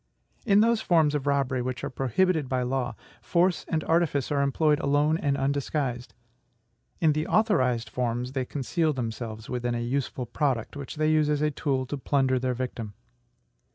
In those forms of robbery which are prohibited by law, force and artifice are employed alone and undisguised; in the authorized forms, they conceal themselves within a useful product, which they use as a tool to plunder their victim.